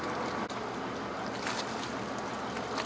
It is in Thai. ก็ยังไม่มีความรู้หรอก